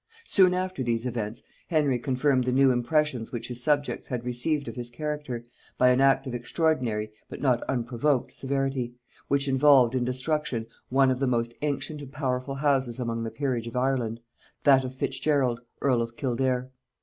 Soon after these events, Henry confirmed the new impressions which his subjects had received of his character, by an act of extraordinary, but not unprovoked, severity, which involved in destruction one of the most ancient and powerful houses among the peerage of Ireland, that of Fitzgerald earl of Kildare.